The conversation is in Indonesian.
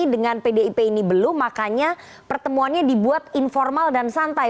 dengan pdip ini belum makanya pertemuannya dibuat informal dan santai